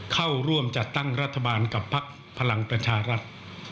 เข้าร่วมจัดตั้งรัฐบาลกับพักพลังประชารัฐ